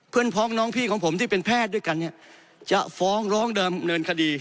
พ้องน้องพี่ของผมที่เป็นแพทย์ด้วยกันเนี่ยจะฟ้องร้องเดิมเนินคดี